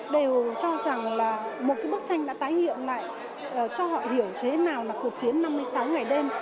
đều cho rằng là một cái bức tranh đã tái hiện lại cho họ hiểu thế nào là cuộc chiến năm mươi sáu ngày đêm